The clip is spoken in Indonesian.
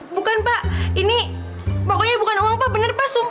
bukan pak ini pokoknya bukan uang pak bener pak sumpah